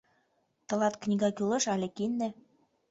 — Тылат книга кӱлеш але кинде?